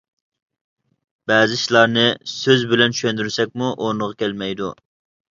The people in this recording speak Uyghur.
بەزى ئىشلارنى سۆز بىلەن چۈشەندۈرسەكمۇ ئورنىغا كەلمەيدۇ.